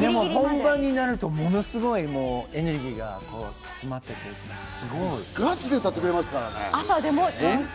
でも本番になると、ものすごいエネルギーが集まってて、すごい！ガチで歌ってくれますからね。